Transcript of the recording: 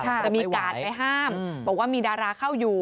จะมีการไปห้ามบอกว่ามีดาราเข้าอยู่